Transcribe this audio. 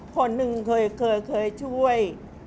คนหนึ่งเคยเคยเคยช่วย